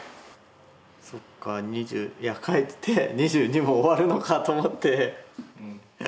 そっかいや描いてて２２も終わるのかと思って。